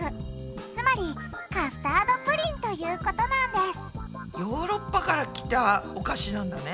つまり「カスタードプリン」ということなんですヨーロッパから来たお菓子なんだね。